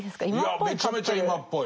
いやめちゃめちゃ今っぽい。